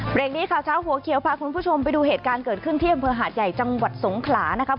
เด็กนี้ข่าวเช้าหัวเขียวพาคุณผู้ชมไปดูเหตุการณ์เกิดขึ้นที่อำเภอหาดใหญ่จังหวัดสงขลานะครับ